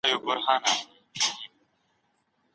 زده کړه د ټولنیز بدلون لامل کیږي.